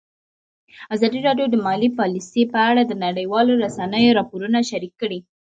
ازادي راډیو د مالي پالیسي په اړه د نړیوالو رسنیو راپورونه شریک کړي.